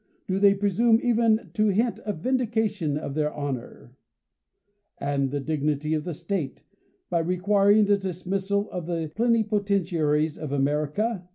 Do they presume even to hint a vindication of their honor, and the dignity of the State, by requiring the dismissal of the plenipotentiaries of America